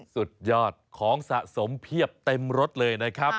สุดยอดของสะสมเพียบเต็มรถเลยนะครับ